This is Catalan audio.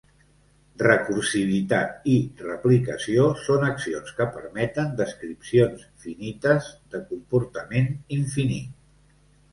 "Recursivitat" i "replicació" són accions que permeten descripcions finites de comportament infinit.